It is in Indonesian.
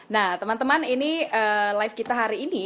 nah teman teman ini live kita hari ini